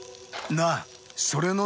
なあ！